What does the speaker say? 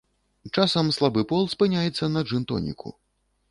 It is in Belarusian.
Часам слабы пол спыняецца на джын-тоніку.